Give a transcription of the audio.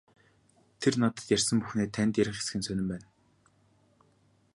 Тэр надад ярьсан бүхнээ танд ярих эсэх нь сонин байна.